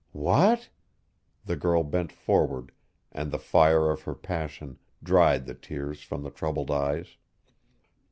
"What!" The girl bent forward and the fire of her passion dried the tears from the troubled eyes.